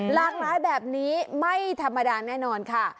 หลากหลายแบบนี้ไม่ธรรมดาแน่นอนค่ะ